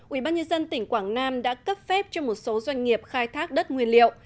ubnd tỉnh quảng nam đã cấp phép cho một số doanh nghiệp khai thác đất nguyên liệu